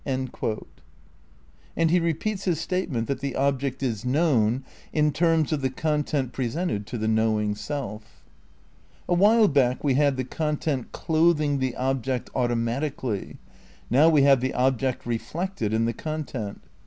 And he repeats his statement that the object is known in terms of the content presented to the knowing self. A while back we had the content "clothing" the ob ject "automatically," now we have the object "reflect ed" in the content.